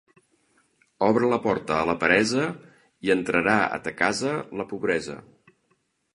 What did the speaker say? Obre la porta a la peresa i entrarà a ta casa la pobresa.